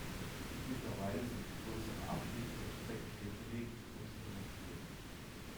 Mittlerweile sind größere Abschnitte der Strecke stillgelegt und demontiert.